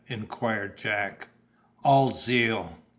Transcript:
inquired Jack. "All zeal."